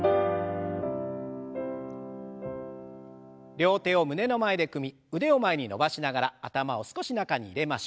両手を胸の前で組み腕を前に伸ばしながら頭を少し中に入れましょう。